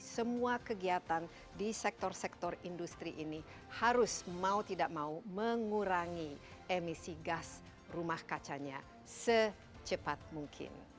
semua kegiatan di sektor sektor industri ini harus mau tidak mau mengurangi emisi gas rumah kacanya secepat mungkin